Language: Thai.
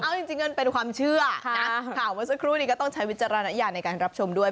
เอาจริงมันเป็นความเชื่อนะข่าวเมื่อสักครู่นี้ก็ต้องใช้วิจารณญาณในการรับชมด้วย